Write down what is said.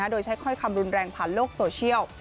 โดยใช้ถ้อยคำรุนแรงผ่านโลกโซเชียล